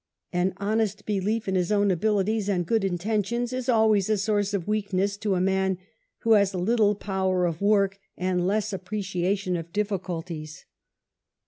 An honest belief in his own abilities and good intentions is always a source of weakness to a man who has little power of work and less appreciation of difficulties.